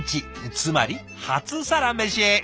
つまり初サラメシ。